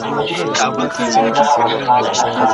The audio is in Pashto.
د بيت المال برخه د مرييانو لپاره وټاکل سوه.